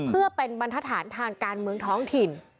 เพื่อเป็นบรรทฐานทางการเมืองท้องถิ่น